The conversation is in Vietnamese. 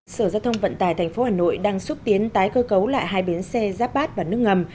sở giao thông vận tài tp hà nội đang xúc tiến tái cơ cấu lại hai bến xe giáp bát và nước ngầm